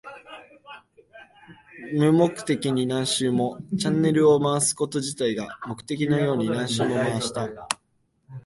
無目的に何周も。チャンネルを回すこと自体が目的のように何周も回した。